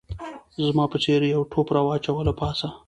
زما په څېر یو ټوپ راواچاوه له پاسه